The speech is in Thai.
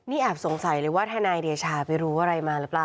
นี่แอบสงสัยเลยว่าทนายเดชาไปรู้อะไรมาหรือเปล่า